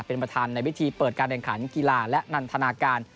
เป็นประธานในพิธีเปิดการแข่งขันกีฬาและนันทนาการ